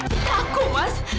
ini aku mas